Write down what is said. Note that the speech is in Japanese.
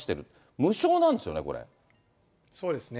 無償なんですよね、そうですね。